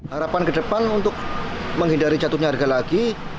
harapan ke depan untuk menghindari jatuhnya harga lagi